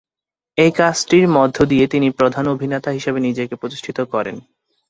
এই কাজটির মধ্য দিয়ে তিনি প্রধান অভিনেতা হিসেবে নিজেকে প্রতিষ্ঠিত করেন।